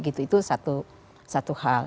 itu satu hal